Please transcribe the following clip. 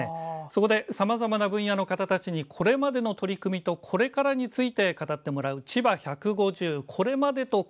そこでさまざまな分野の方たちにこれまでの取り組みとこれからについて語ってもらう「ちば１５０